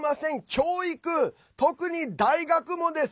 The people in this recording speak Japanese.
教育、特に大学もです。